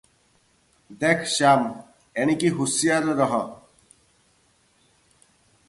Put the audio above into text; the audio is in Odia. "ଦେଖ ଶ୍ୟାମ, ଏଣିକି ହୁସିଆର ରହ